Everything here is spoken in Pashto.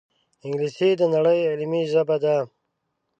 انګلیسي د نړۍ علمي ژبه ده